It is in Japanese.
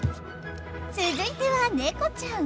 続いてはネコちゃん！